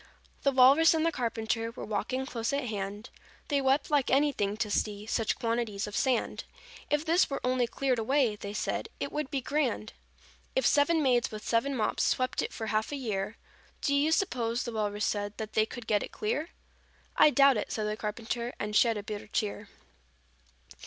"The Walrus and the Carpenter Were walking close at hand; They wept like anything to see Such quantities of sand: 'If this were only cleared away,' They said, 'it would be grand!' "'If seven maids with seven mops Swept it for half a year, Do you suppose,' the Walrus said, 'That they could get it clear?' 'I doubt it,' said the Carpenter, And shed a bitter tear."